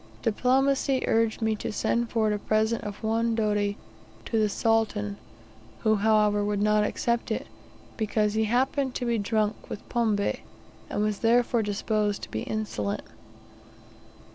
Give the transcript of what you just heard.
Diplomacy urged me to send forward a present of one doti to the Sultan, who, however, would not accept it, because he happened to be drunk with pombe, and was therefore disposed to be insolent.